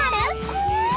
怖い！